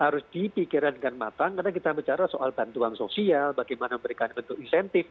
harus dipikirkan dengan matang karena kita bicara soal bantuan sosial bagaimana memberikan bentuk insentif